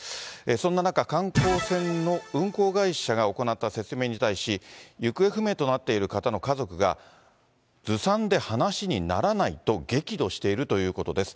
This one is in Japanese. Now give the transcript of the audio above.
そんな中、観光船の運航会社が行った説明に対し、行方不明となっている方の家族が、ずさんで話にならないと激怒しているということです。